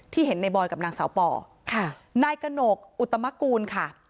เห็นในบอยกับนางสาวปอค่ะนายกระหนกอุตมกูลค่ะ